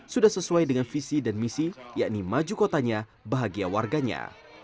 sudah sesuai dengan visi dan misi yakni maju kotanya bahagia warganya